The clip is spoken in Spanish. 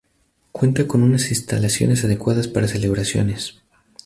Cuenta con unas instalaciones adecuadas para celebraciones.